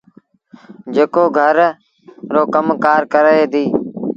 جيڪو گھر رو ڪم ڪآر ڪري ديٚ۔